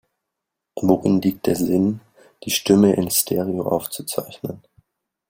Worin liegt der Sinn, die Stimme in Stereo aufzuzeichnen?